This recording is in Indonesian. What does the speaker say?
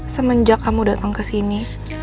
semenjak kamu datang ke sini